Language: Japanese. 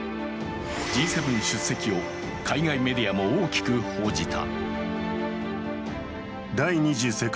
Ｇ７出席を海外メディアも大きく報じた。